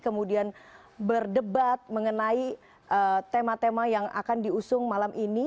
kemudian berdebat mengenai tema tema yang akan diusung malam ini